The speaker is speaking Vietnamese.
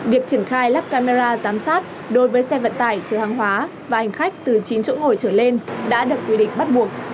việc triển khai lắp camera giám sát đối với xe vận tải chở hàng hóa và hành khách từ chín chỗ ngồi trở lên đã được quy định bắt buộc